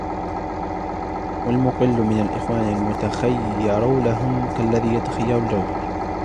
وَالْمُقِلُّ مِنْ الْإِخْوَانِ الْمُتَخَيِّرُ لَهُمْ كَاَلَّذِي يَتَخَيَّرُ الْجَوْهَرَ